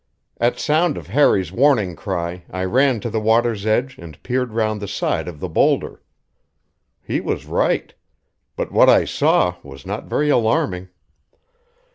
At sound of Harry's warning cry I ran to the water's edge and peered round the side of the boulder. He was right; but what I saw was not very alarming.